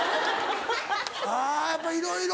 あやっぱいろいろ。